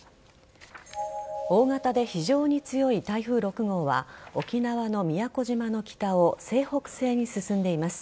大型で非常に強い台風６号は沖縄の宮古島の北を西北西に進んでいます。